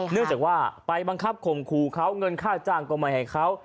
เนื่องจากว่าไปบังคับข่มขู่เขาเงินค่าจ้างก็ไม่ให้เขา